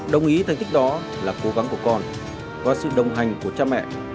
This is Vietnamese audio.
đồng ý thành tích đó là cố gắng của con và sự đồng hành của cha mẹ